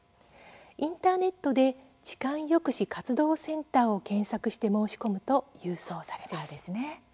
インターネットで痴漢抑止活動センターを検索して申し込むと郵送されます。